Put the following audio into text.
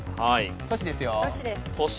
都市です。